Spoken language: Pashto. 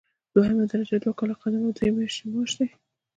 دوهمه درجه دوه کاله قدم او درې میاشتې معاش.